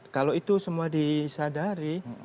kalau itu semua disadari